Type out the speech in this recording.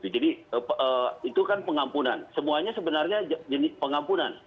jadi itu kan pengampunan semuanya sebenarnya jenis pengampunan